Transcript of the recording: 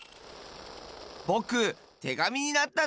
ぼくてがみになったんだよ！